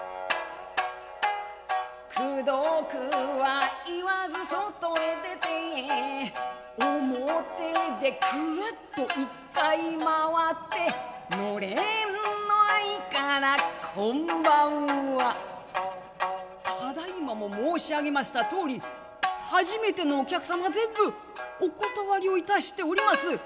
くどくは言わず外へ出て表でクルッと一回まわって暖簾のあいから今晩は「ただいまも申し上げましたとおり初めてのお客様は全部お断りをいたしております」。